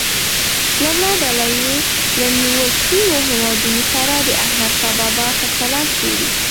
لومړۍ ډله دې له نیول شویو هیوادونو سره د احمدشاه بابا ښه چلند څېړي.